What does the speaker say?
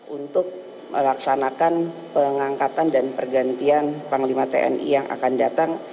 untuk melaksanakan pengangkatan dan pergantian panglima tni yang akan datang